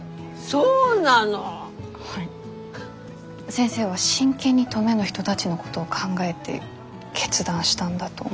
先生は真剣に登米の人たちのことを考えて決断したんだと思うし。